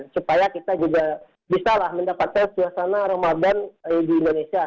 supaya kita juga bisalah mendapatkan suasana ramadan di indonesia